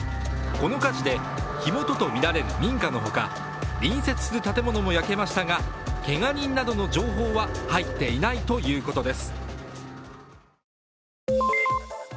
この火事で、火元とみられる民家のほか、隣接する建物も焼けましたがけが人などの情報は入っていないということです。